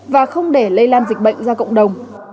và không để lây lan dịch bệnh ra cộng đồng